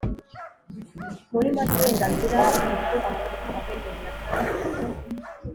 muri make, uburenganzira ni ibyo amategeko akwemerera. kandi ibyo